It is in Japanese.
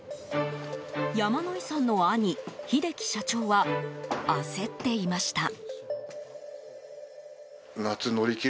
山野井さんの兄・秀樹社長は焦っていました。